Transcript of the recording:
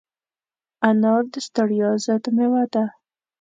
انار د ستړیا ضد مېوه ده.